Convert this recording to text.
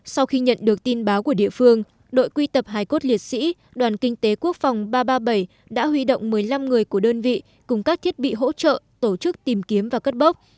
sau khi nhận được tin báo của địa phương đội quy tập hải cốt liệt sĩ đoàn kinh tế quốc phòng ba trăm ba mươi bảy đã huy động một mươi năm người của đơn vị cùng các thiết bị hỗ trợ tổ chức tìm kiếm và cất bốc